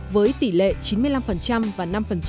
với tỷ lệ chín mươi năm và năm